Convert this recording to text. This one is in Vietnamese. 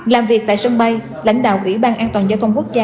làm việc tại sân bay lãnh đạo quỹ ban an toàn giao thông quốc gia